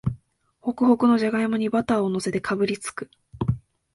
ホクホクのじゃがいもにバターをのせてかぶりつく